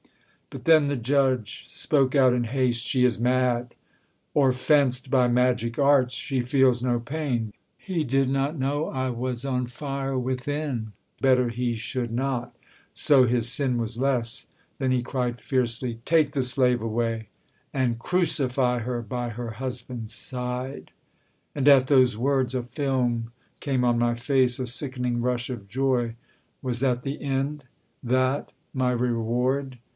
But then the judge spoke out in haste: 'She is mad, Or fenced by magic arts! She feels no pain!' He did not know I was on fire within: Better he should not; so his sin was less. Then he cried fiercely, 'Take the slave away, And crucify her by her husband's side!' And at those words a film came on my face A sickening rush of joy was that the end? That my reward?